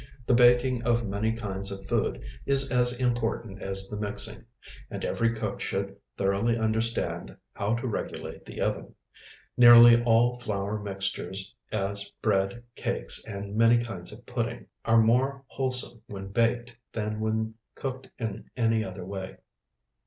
The baking of many kinds of food is as important as the mixing, and every cook should thoroughly understand how to regulate the oven. Nearly all flour mixtures, as bread, cakes, and many kinds of pudding, are more wholesome when baked than when cooked in any other way.